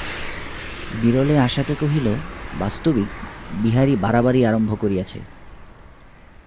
বিরলে আশাকে কহিল, বাস্তবিক, বিহারী বাড়াবাড়ি আরম্ভ করিয়াছে।